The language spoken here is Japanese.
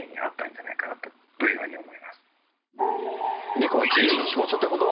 ネコは「自由の象徴」ってこと？